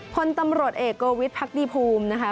พลตำรวจเอกโกวิทย์พักดีภูมินะคะ